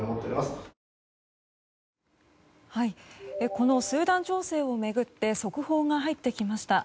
このスーダン情勢を巡って速報が入ってきました。